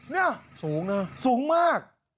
นี่สูงมาก